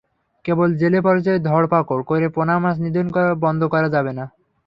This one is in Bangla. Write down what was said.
কেবল জেলে পর্যায়ে ধরপাকড় করে পোনা মাছ নিধন বন্ধ করা যাবে না।